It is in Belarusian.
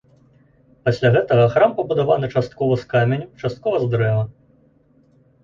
Пасля гэтага храм пабудаваны часткова з каменю, часткова з дрэва.